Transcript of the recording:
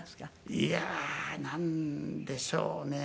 いやーなんでしょうね。